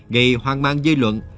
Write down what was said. gây hoang mang dây luận